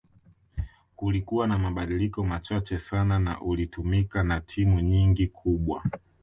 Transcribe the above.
Kulikua na mabadiliko machache sana na ulitumika na timu nyingi kubwa